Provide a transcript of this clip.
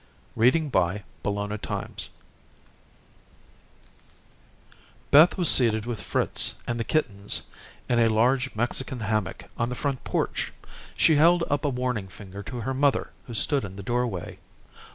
CHAPTER IV Visiting Beth was seated with Fritz and the kittens in a large Mexican hammock on the front porch. She held up a warning finger to her mother who stood in the doorway.